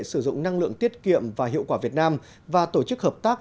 sử dụng năng lượng tiết kiệm và hiệu quả việt nam và tổ chức hợp tác